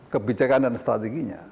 kebijakan dan strateginya